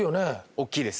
大きいです。